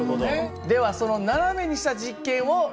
ではその斜めにした実験を見てみましょう。